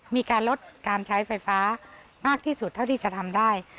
มีการลดการใช้ไฟฟ้ามากที่สุดเท่าที่จะทำได้